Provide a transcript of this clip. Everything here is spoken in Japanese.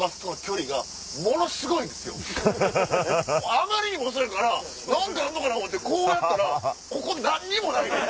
あまりにも遅いから何かあるかと思てこうやったらここ何にもないねん！